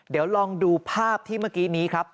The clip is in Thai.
เดี๋ยวลองดูภาพที่เมื่อกี้นี้ครับ